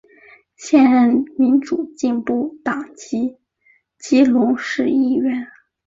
现任民主进步党籍基隆市议员。